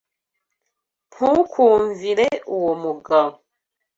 Ntukumvire uwo mugabo.